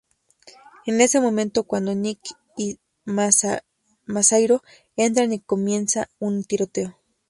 Es en ese momento cuando Nick y Masahiro entran y comienza un tiroteo.